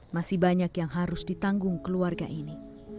masih banyak yang harus ditanggung keluarga ini